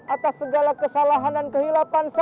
atas segala kesalahan dan kehilapan